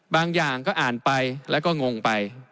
บางอย่างก็อ่านไปแล้วก็งงไป